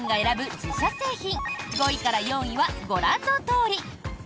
自社製品５位から４位はご覧のとおり。